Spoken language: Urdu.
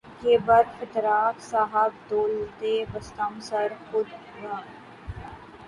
کہ بر فتراک صاحب دولتے بستم سر خود را